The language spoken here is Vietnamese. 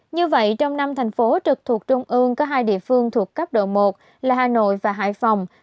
như vậy trong năm thành phố trực thuộc trung ương có hai địa phương thuộc cấp độ một là hà nội và hải phòng